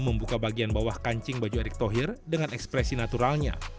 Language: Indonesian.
membuka bagian bawah kancing baju erick thohir dengan ekspresi naturalnya